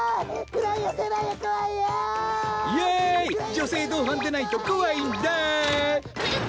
やい女性同伴でないと怖いんだ！